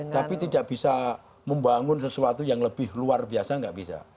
tapi tidak bisa membangun sesuatu yang lebih luar biasa nggak bisa